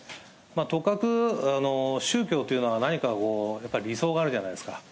とかく、宗教というのは何か理想があるじゃないですか。